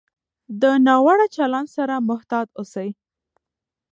د ناوړه چلند سره محتاط اوسئ.